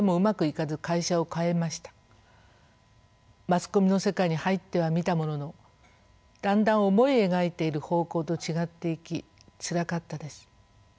マスコミの世界に入ってはみたもののだんだん思い描いている方向と違っていきつらかったです。